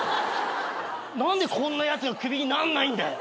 何でこんなやつが首になんないんだよ。